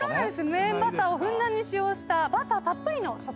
無塩バターをふんだんに使用したバターたっぷりの食パンです。